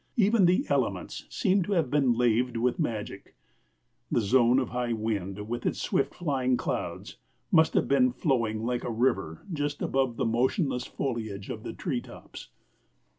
Even the elements seemed to have been laved with magic. The zone of high wind, with its swift flying clouds, must have been flowing like a river just above the motionless foliage of the tree tops.